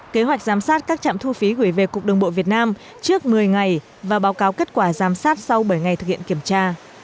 kế hoạch giám sát các trạm thu phí gửi về cục đường bộ việt nam trước một mươi ngày và báo cáo kết quả giám sát sau bảy ngày thực hiện kiểm tra